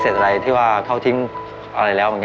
เสดอะไรที่เขาทิ้งอะไรแล้ว